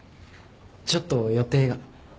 ちょっと予定が。